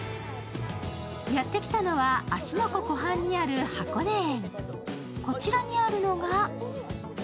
やって来たのは、芦ノ湖湖畔にある箱根園。